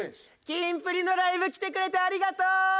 キンプリのライブ来てくれてありがとう！